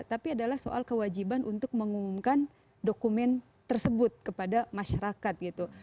tapi adalah soal kewajiban untuk mengumumkan dokumen tersebut kepada masyarakat gitu